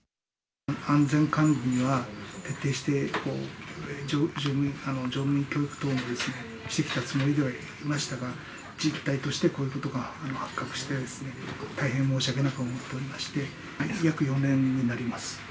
安全管理は徹底して、乗務員教育等もですね、してきたつもりではいましたが、実態として、こういうことが発覚してですね、大変申し訳なく思っておりまして、約４年になります。